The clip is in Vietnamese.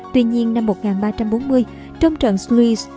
tuy nhiên năm một nghìn ba trăm bốn mươi trong trận slues